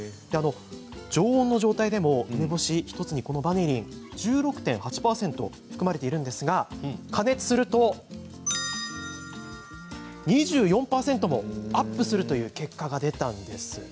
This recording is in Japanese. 常温の状態でも梅干し１つにバニリンは１６．８％含まれているんですが加熱すると２４％もアップするという結果が出たんです。